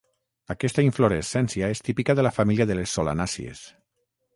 Aquesta inflorescència és típica de la família de les solanàcies.